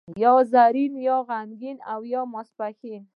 یا زرین، غمګین او ماپښین.